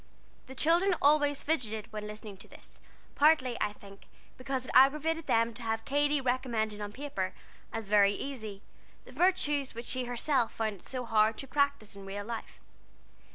The children always fidgeted when listening to this, partly, I think, because it aggravated them to have Katy recommending on paper, as very easy, the virtues which she herself found it so hard to practise in real life.